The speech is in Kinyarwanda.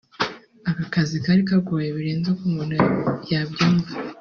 Aka kazi kari kagoye birenze uko umuntu yabyumva